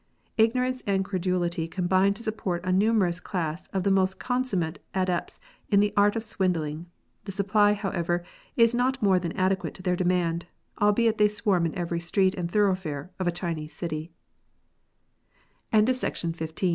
Ignorance and credulity combine to support a numerous class of the most consummate adepts in the art of swindling ; the supply, however, is not more than adequate to the demand, albeit they swarm in every street and thoroughfare of a Chinese city. GAMES AND GAMBLING.